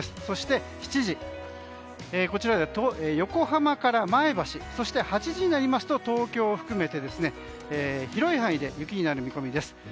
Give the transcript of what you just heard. そして７時、横浜から前橋そして、８時になりますと東京を含めて広い範囲で雪になる見込みです。